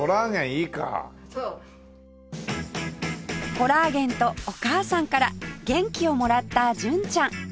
コラーゲンとお母さんから元気をもらった純ちゃん